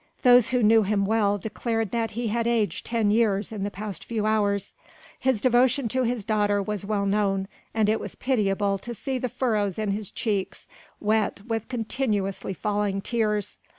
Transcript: Those who knew him well declared that he had aged ten years in the past few hours. His devotion to his daughter was well known and it was pitiable to see the furrows in his cheeks wet with continuously falling tears.